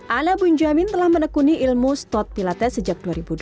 ana bunjamin telah menekuni ilmu stot pilates sejak dua ribu dua belas